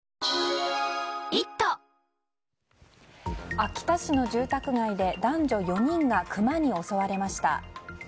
秋田市の住宅街で男女４人がクマに襲われました。